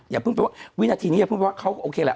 อย่าเพิ่งไปว่าวินาทีนี้อย่าเพิ่งว่าเขาก็โอเคแหละ